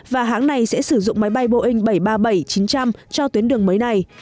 và hãng này sẽ sử dụng máy bay boeing bảy trăm ba mươi bảy chín trăm linh cho tuyến đường mới này